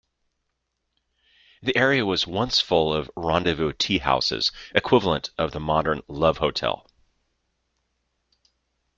The area was once full of "rendezvous teahouses", equivalent of the modern love hotel.